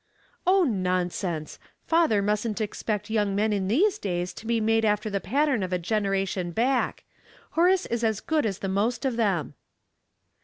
" Oh, nonsense ! father musn't expect young men in these days to be made after the pattern of a generation back. Horace is as good as the most of them."